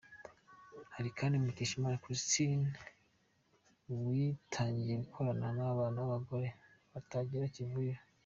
Hari kandi Mukeshimana Christine witangiye gukorana n’abana n’abagore batagira kivurira.